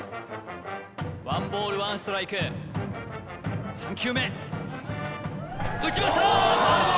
ワンボールワンストライク３球目打ちましたー！